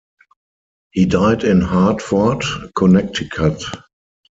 He died in Hartford, Connecticut.